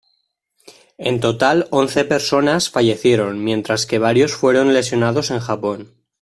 En total, once personas fallecieron mientras que varios fueron lesionados en Japón.